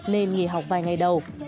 nên nghỉ học vài ngày đầu